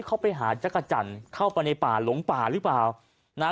เข้าไปหาจักรจันทร์เข้าไปในป่าหลงป่าหรือเปล่านะฮะ